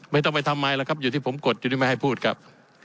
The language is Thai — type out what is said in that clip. ไม่ต้องไปทำไมแล้วครับอยู่ที่ผมกดอยู่ที่ไม่ให้พูดครับ